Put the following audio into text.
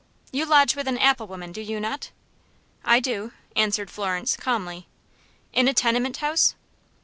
"You lodge with an apple woman, do you not?" "I do," answered Florence, calmly. "In a tenement house?"